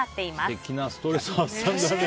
素敵なストレス発散だね。